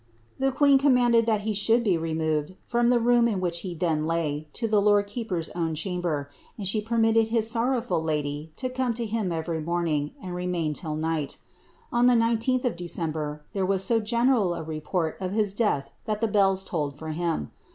The queen commanded that he should be removed, from the room in which he then lay, lo the lord keeper's own chamber, and she permiiwd his sorrowful lady lo come lo him everv morning, and remain till niehi. On t!ie I9th of December, there was so general a report of his death that the beils tolled for him.